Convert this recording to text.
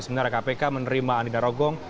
sebenarnya kpk menerima alina rogong